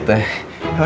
terbangan tadi tuh